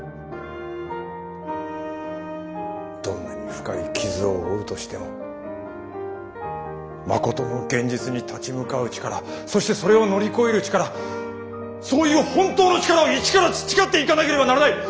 どんなに深い傷を負うとしてもまことの現実に立ち向かう力そしてそれを乗り越える力そういう本当の力を一から培っていかなければならない。